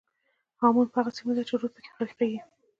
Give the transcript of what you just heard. هامون هغه سیمه ده چې رود پکې غرقېږي.